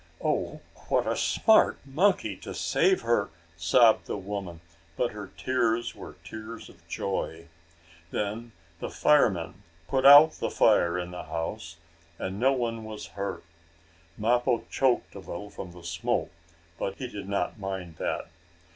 "Oh, what a smart monkey, to save her!" sobbed the woman, but her tears were tears of joy. Then the firemen put out the fire in the house, and no one was hurt. Mappo choked a little from the smoke, but he did not mind that.